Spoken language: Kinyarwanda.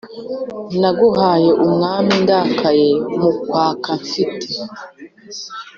Naguhaye umwami ndakaye mukwaka mfite